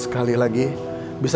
semoga lu seteriss members